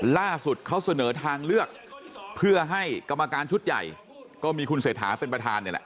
ล่าสุดเขาเสนอทางเลือกเพื่อให้กรรมการชุดใหญ่ก็มีคุณเศรษฐาเป็นประธานนี่แหละ